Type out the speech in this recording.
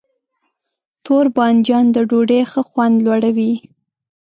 تور بانجان د ډوډۍ ښه خوند لوړوي.